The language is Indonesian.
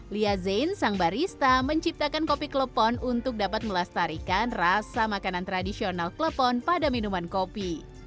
lia zain sang barista menciptakan kopi klepon untuk dapat melestarikan rasa makanan tradisional klepon pada minuman kopi